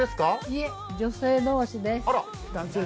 いえ、女性同士です。